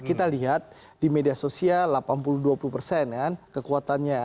kita lihat di media sosial delapan puluh dua puluh persen kan kekuatannya